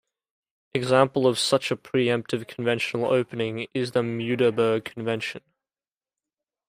Example of such a preemptive conventional opening is the Muiderberg convention.